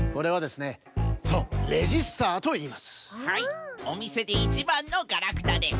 はいおみせでいちばんのガラクタです。